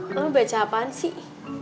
lo baca apaan sih